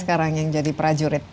sekarang yang jadi prajurit